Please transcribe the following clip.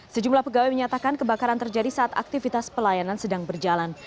sejumlah pegawai menyatakan kebakaran terjadi saat aktivitas pelayanan sedang berjalan